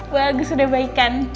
bagus udah baikkan